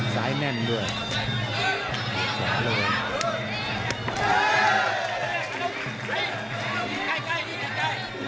ใส่แน่นด้วย